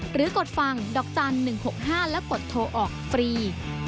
หรือกดฟังด๑๖๕และกดโทรออกฟรี